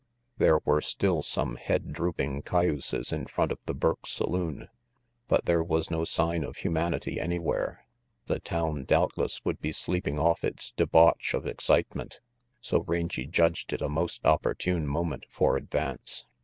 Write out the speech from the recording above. There were still some head drooping cayuses in front of the Burke saloon, but there was no sign of human ity anywhere. The town doubtless would be sleeping off its debauch of excitement, so Rangy judged it a most opportune moment for advance.